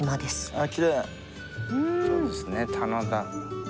そうですね棚田。